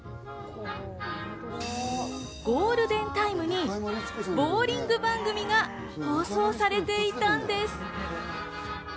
ゴールデンタイムにボウリング番組が放送されていたんです。